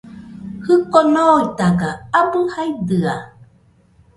Jiko noitaga abɨ jaidɨa